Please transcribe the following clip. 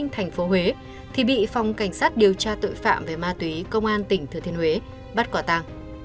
thành phố huế thì bị phòng cảnh sát điều tra tội phạm về ma túy công an tỉnh thừa thiên huế bắt quả tàng